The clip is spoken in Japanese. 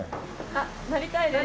あっなりたいです。